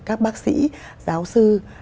các bác sĩ giáo sư